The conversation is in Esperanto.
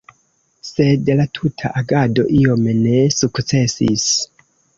Sed la tuta agado iom ne sukcesis.